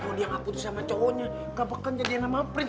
kalau dia gak putus sama cowoknya gak pekan jadiin nama prince